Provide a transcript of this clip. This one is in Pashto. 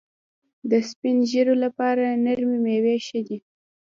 د سپین ږیرو لپاره نرمې میوې ښې دي.